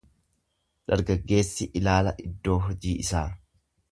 Dargaggeessi ilaala iddoo hojii isaa.